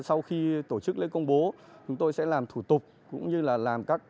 sau khi tổ chức lễ công bố chúng tôi sẽ làm thủ tục cũng như là làm các